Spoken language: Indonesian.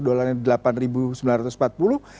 satu dolar yang delapan sembilan ratus empat puluh